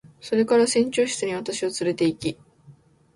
それから船長室に私をつれて行き、「まあ一寝入りしなさるんですね。」と言ってくれました。